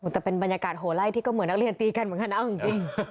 แต่เป็นบรรยากาศโหไล่ที่ก็เหมือนนักเรียนตีกันเหมือนกันนะเอาจริง